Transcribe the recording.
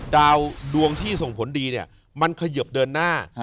ดาวดวงที่ส่งผลดีเนี่ยมันเขยิบเดินหน้า